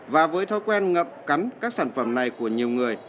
và với thói quen ngậm cắn các sản phẩm này của nhiều người